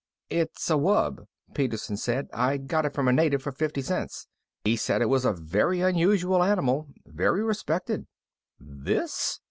"It's a wub," Peterson said. "I got it from a native for fifty cents. He said it was a very unusual animal. Very respected." "This?"